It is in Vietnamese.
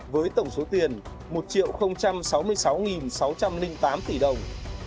với tổng số tiền một sáu mươi sáu sáu trăm linh tám tỷ đồng